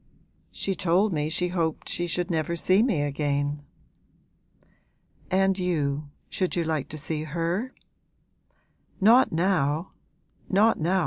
'She told me she hoped she should never see me again.' 'And you, should you like to see her?' 'Not now not now!'